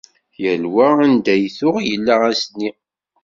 Yal yiwen anda i tuɣ yella ass-nni.